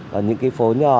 còn những cái phố nhỏ